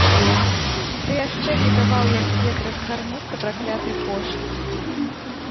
Ды яшчэ не даваў як след разгарнуцца пракляты кошык.